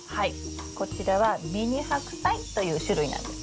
こちらはミニハクサイという種類なんです。